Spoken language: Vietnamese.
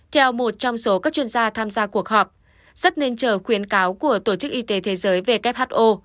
theo một trong số các chuyên gia tham gia cuộc họp rất nên chờ khuyến cáo của tổ chức y tế thế giới who